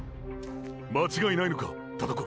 間違いないのか田所。